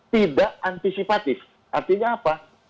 tidak antisipatif artinya apa